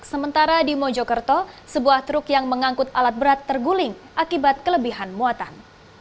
sementara di mojokerto sebuah truk yang mengangkut alat berat terguling akibat kelebihan muatan